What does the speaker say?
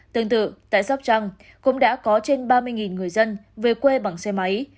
tương tự tại sóc trăng cũng đã có trên ba mươi người dân về quê bằng xe máy